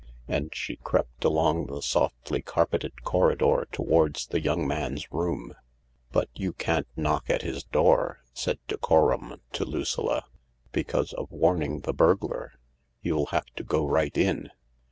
And she crept along the softly carpeted corridor towards the young man's room. •" But you can't knock at his door," said Decorum to Lucilla, " because of warning the burglar. You'll have to go right in.